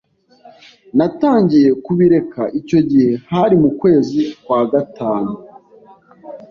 Natangiye kubireka icyo gihe hari mukwezi kwagatanu.